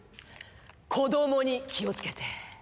子供に気を付けて。